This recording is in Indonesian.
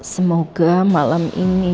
semoga malam ini